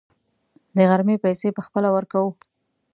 د غرمې پیسې به خپله ورکوو.